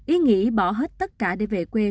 ý nghĩ bỏ hết tất cả để về quê